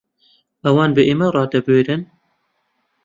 ئەوان بە ئێمە ڕادەبوێرن؟